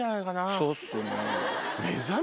そうっすよね。